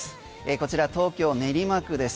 こちら東京練馬区です。